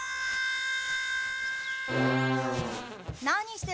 何してるの？